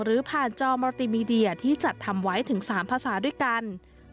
หรือผ่านจอมอลติมีเดียที่จัดทำไว้ถึง๓ภาษาด้วยกัน